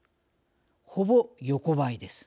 ほぼ横ばいです。